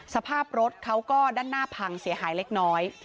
สภาพรถเขาก็ด้านหน้าพังเสียหายเล็กน้อย